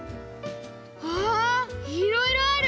わあいろいろある！